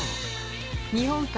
日本海